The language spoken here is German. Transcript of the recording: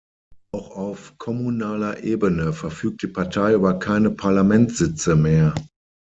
Auch auf kommunaler Ebene verfügt die Partei über keine Parlamentssitze mehr.